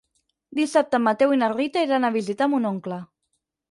Dissabte en Mateu i na Rita iran a visitar mon oncle.